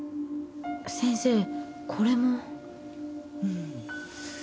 先生これも。うん。